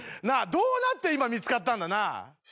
どうなって今見つかったんだ。